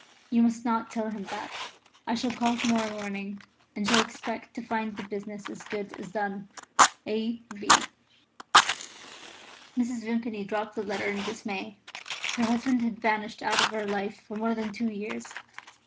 You must not tell him that. I shall call to morrow morning, and shall expect to find the business as good as done. "A. V." Mrs. Vimpany dropped the letter in dismay. Her husband had vanished out of her life for more than two years.